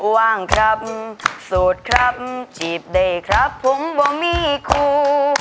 ว่างครับโสดครับจีบได้ครับผมบ่มีครู